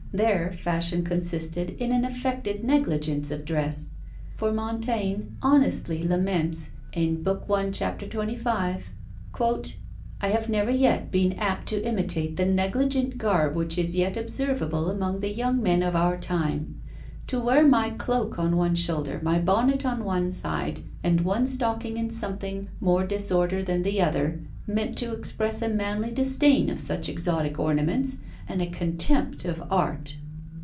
There, fashion consisted in an affected negligence of dress; for Montaigne honestly laments, in Book i. Cap. 25 "I have never yet been apt to imitate the negligent garb which is yet observable among the young men of our time; to wear my cloak on one shoulder, my bonnet on one side, and one stocking in something more disorder than the other, meant to express a manly disdain of such exotic ornaments, and a contempt of art."